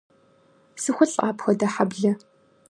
СыхулӀэ апхуэдэ хьэблэ!